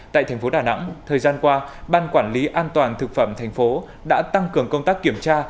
tại thành phố đà nẵng thời gian qua ban quản lý an toàn thực phẩm thành phố đã tăng cường công tác kiểm tra